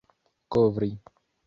kovri